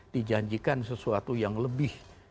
dijanjikan sesuatu yang lebih